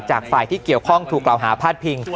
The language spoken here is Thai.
จากฝ่ายที่เกี่ยวข้องถูกกล่าวหาพาดพิง